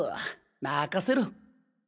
任せろ！